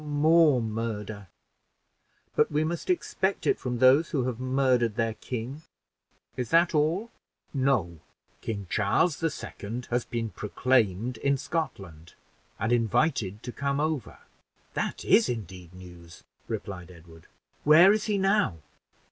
"More murder! but we must expect it from those who have murdered their king. Is that all?" "No. King Charles the Second has been proclaimed in Scotland, and invited to come over." "That is indeed news," replied Edward. "Where is he now?"